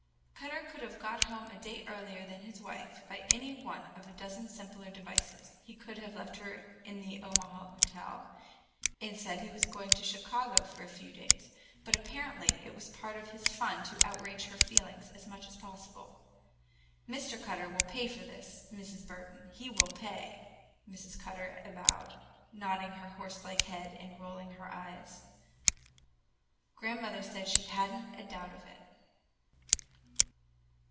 Cutter could have got home a day earlier than his wife by any one of a dozen simpler devices; he could have left her in the Omaha hotel, and said he was going on to Chicago for a few days. But apparently it was part of his fun to outrage her feelings as much as possible. "Mr. Cutter will pay for this, Mrs. Burden. He will pay!" Mrs. Cutter avouched, nodding her horselike head and rolling her eyes. Grandmother said she had n't a doubt of it.